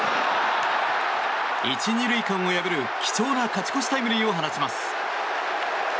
１・２塁間を破る貴重な勝ち越しタイムリーを放ちます。